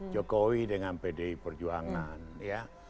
jokowi dengan pdi perjuangan ya